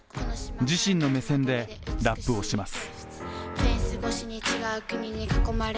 自身の目線でラップをします。